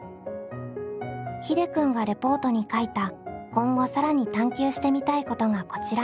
ひでくんがレポートに書いた今後更に探究してみたいことがこちら。